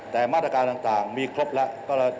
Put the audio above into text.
แต่มาตรการต่างมีครบแล้ว